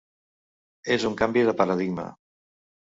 És un canvi de paradigma.